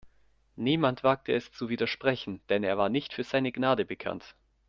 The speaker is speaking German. Niemand wagte es zu widersprechen, denn er war nicht für seine Gnade bekannt.